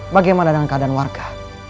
bagaimana dengan keadaan warga